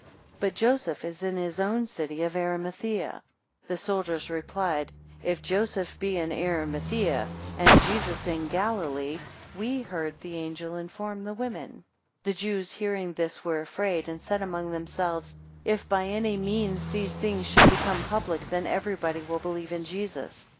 But Joseph is in his own city of Arimathaea. 14 The soldiers replied, If Joseph be in Arimathaea, and Jesus in Galilee, we heard the angel inform the women. 15 The Jews hearing this, were afraid, and said among themselves, If by any means these things should become public, then everybody will believe in Jesus.